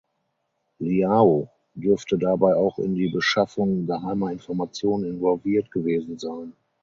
Liao dürfte dabei auch in die Beschaffung geheimer Informationen involviert gewesen sein.